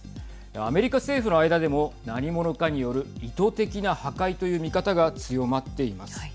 アメリカ政府の間でも何者かによる意図的な破壊という見方が強まっています。